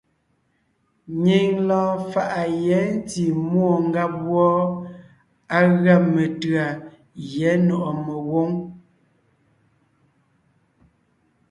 Nyìŋ lɔɔn faʼa yɛ̌ ntí múɔ ngáb wɔ́ɔ, á gʉa metʉ̌a Gyɛ̌ Nɔ̀ʼɔ Megwǒŋ.